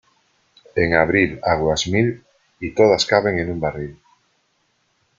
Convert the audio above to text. En abril aguas mil y todas caben en un barril.